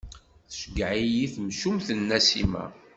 Tceggeḍ-iyi temcucmt n Nasima.